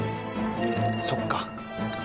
そっか。